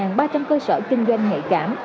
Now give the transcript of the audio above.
qua trong cơ sở kinh doanh nghệ cảm